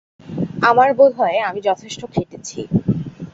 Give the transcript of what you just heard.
আমার বোধ হয়, আমি যথেষ্ট খেটেছি।